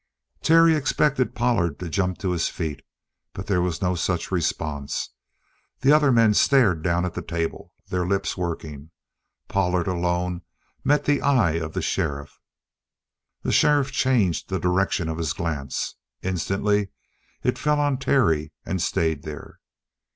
Terry expected Pollard to jump to his feet. But there was no such response. The other men stared down at the table, their lips working. Pollard alone met the eye of the sheriff. The sheriff changed the direction of his glance. Instantly, it fell on Terry and stayed there.